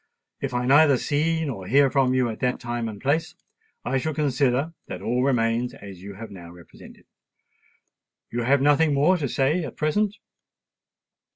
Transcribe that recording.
If I neither see nor hear from you at that time and place, I shall consider that all remains as you have now represented. You have nothing more to say at present?"